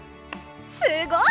すごい！